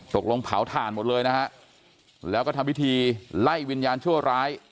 เผาถ่านหมดเลยนะฮะแล้วก็ทำพิธีไล่วิญญาณชั่วร้าย